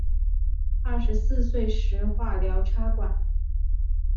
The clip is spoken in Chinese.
二十四岁时化疗插管